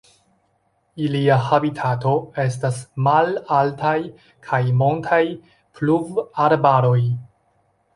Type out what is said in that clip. Ilia habitato estas malaltaj kaj montaj pluvarbaroj.